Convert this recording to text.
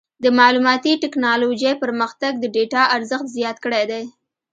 د معلوماتي ټکنالوجۍ پرمختګ د ډیټا ارزښت زیات کړی دی.